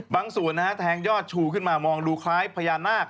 บางส่วนนะฮะแทงยอดชูขึ้นมามองดูคล้ายพญานาค